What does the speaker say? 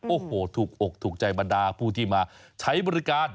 โอ้โหถูกอกถูกใจบรรดาผู้ที่มาใช้บริการ